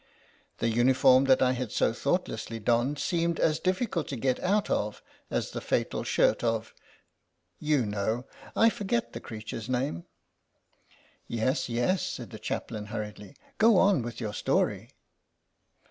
The uniform that I had so thoughtlessly donned seemed as difficult to get out of as the fatal shirt of You know, I forget the creature's name." "Yes, yes," said the Chaplain hurriedly. "Go on with your story."